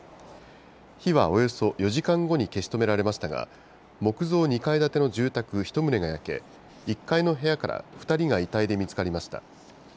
火はおよそ４時間後に消し止められましたが、木造２階建ての住宅１棟が焼け、１階の部屋から２人が遺体で見つかりました。